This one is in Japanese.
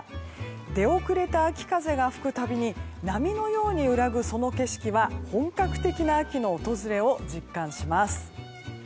出遅れた秋風が吹くたびに波のように揺らぐその景色は本格的な秋の訪れを実感します。